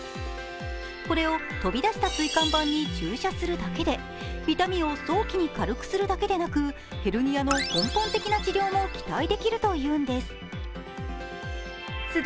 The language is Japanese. これを飛び出した椎間板に注射するだけで痛みを早期に軽くするだけでなくヘルニアの根本的な治療も期待できるというんです。